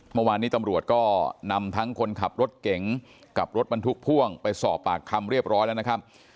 เมื่อวานนี้ตำรวจก็นำทั้งคนขับรถเก่งกับรถบรรทุกพ่วงไปสอบปากคำเรียบร้อยแล้วนะครับ